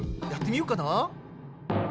やってみようかな。